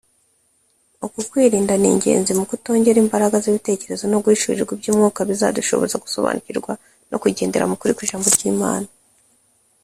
Uku kwirinda ni ingenzi mu kutwongera imbaraga z’ibitekerezo no guhishurirwa iby’umwuka bizadushoboza gusobanukirwa no kugendera mu kuri kw’ijambo ry’Imana